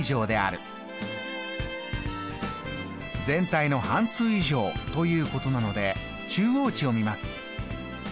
「全体の半数以上」ということなので中央値を見ます。